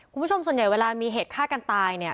คุณผู้ชมส่วนใหญ่เวลามีเหตุฆ่ากันตายเนี่ย